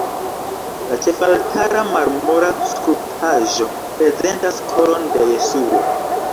La ĉefaltara marmora skulptaĵo prezentas Koron de Jesuo.